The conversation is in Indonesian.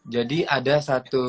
jadi ada satu